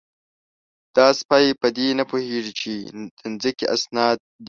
_دا سپۍ په دې نه پوهېږي چې د ځمکې اسناد دي؟